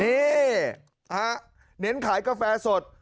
นี่เน้นขายกาแฟสด